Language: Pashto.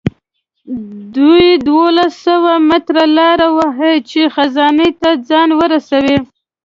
دوی دولس سوه متره لاره وهي چې خزانې ته ځان ورسوي.